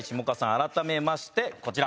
改めましてこちら！